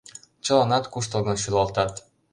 Чыланат куштылгын шӱлалтат.